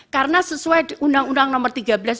karena sesuai undang undang nomor tiga belas dua ribu sebelas